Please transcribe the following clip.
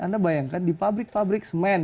anda bayangkan di pabrik pabrik semen